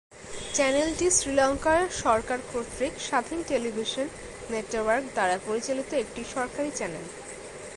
চ্যানেলটি শ্রীলঙ্কা সরকার কর্তৃক স্বাধীন টেলিভিশন নেটওয়ার্ক দ্বারা পরিচালিত একটি সরকারী চ্যানেল।